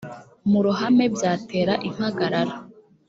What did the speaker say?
mu ruhame byatera impagarara